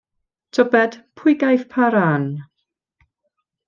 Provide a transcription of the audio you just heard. Tybed pwy gaiff pa ran?